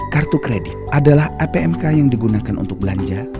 kartu kredit adalah apmk yang digunakan untuk belanja